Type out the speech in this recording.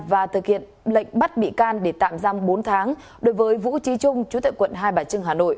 và thực hiện lệnh bắt bị can để tạm giam bốn tháng đối với vũ trí trung chú tại quận hai bà trưng hà nội